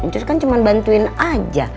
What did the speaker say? terus kan cuma bantuin aja